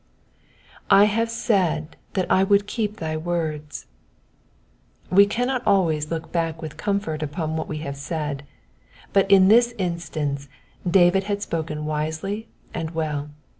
*'/ haf>e send that I would Iceep thy wards,^^ We cannot always look back with comfort upon what we have said, but in this instance David had spoken wisely and well.